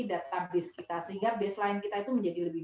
kita harus memperbaiki data base kita sehingga baseline kita itu menjadi lebih